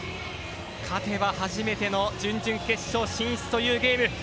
勝てば初めての準々決勝進出というゲーム。